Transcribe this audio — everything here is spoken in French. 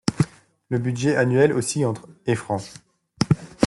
Le budget annuel oscille entre et francs.